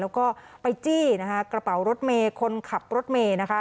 แล้วก็ปะจี้กระเป๋ารถเมย์คนขับรถเมย์